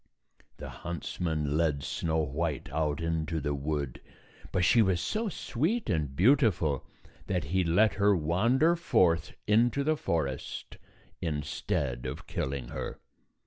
The huntsman led Snow White out into the wood, but she was so sweet and beautiful that he let her wander forth into the forest instead of killing her.